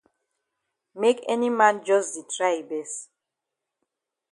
Make any man jus di try yi best.